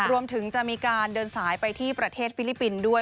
รวมถึงจะมีการเดินสายไปที่ประเทศฟิลิปปินส์ด้วย